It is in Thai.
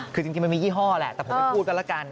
คือจริงมันมียี่ห้อแหละแต่ผมไม่พูดกันละกัน